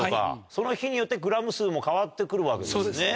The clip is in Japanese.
その日によってグラム数も変わってくるわけですね。